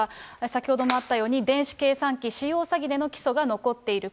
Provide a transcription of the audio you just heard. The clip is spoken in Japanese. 先ほどもあったように、電子計算機使用詐欺での起訴が残っている、